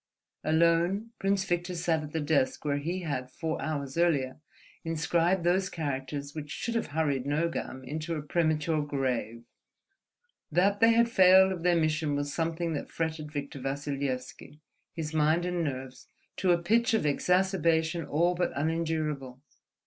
Alone, Prince Victor sat at the desk where he had, four hours earlier, inscribed those characters which should have hurried Nogam into a premature grave. That they had failed of their mission was something that fretted Victor Vassilyevski, his mind and nerves, to a pitch of exacerbation all but unendurable.